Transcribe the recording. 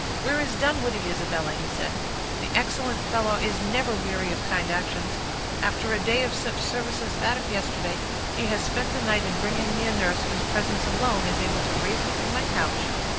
"Where is Dunwoodie, Isabella?" he said. "The excellent fellow is never weary of kind actions. After a day of such service as that of yesterday, he has spent the night in bringing me a nurse, whose presence alone is able to raise me from my couch."